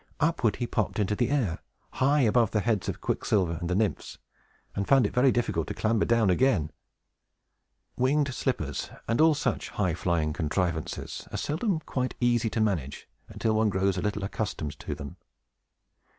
upward he popped into the air, high above the heads of Quicksilver and the Nymphs, and found it very difficult to clamber down again. Winged slippers, and all such high flying contrivances, are seldom quite easy to manage until one grows a little accustomed to them.